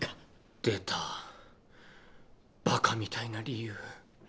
出たばかみたいな理由。